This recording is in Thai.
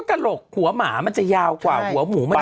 กระโหลกหัวหมามันจะยาวกว่าหัวหมูมาก